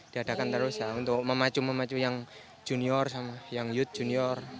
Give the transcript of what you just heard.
diadakan terus ya untuk memacu memacu yang junior sama yang youth junior